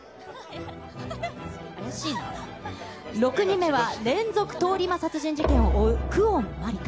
６人目は、連続通り魔殺人事件を追う、久遠真梨華。